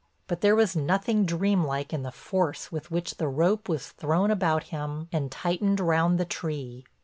But there was nothing dreamlike in the force with which the rope was thrown about him and tightened round the tree.